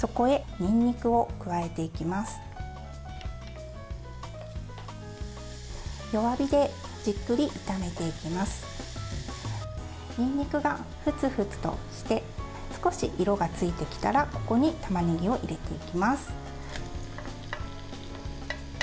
にんにくがふつふつとして少し色がついてきたらここにたまねぎを入れていきます。